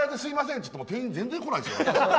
って言っても店員、全然来ないですよ。